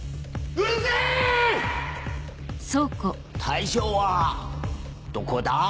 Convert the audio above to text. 大将はどこだ？